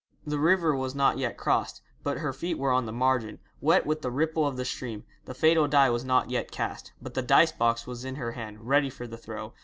The river was not yet crossed, but her feet were on the margin, wet with the ripple of the stream. The fatal die was not yet cast, but the dice box was in her hand ready for the throw.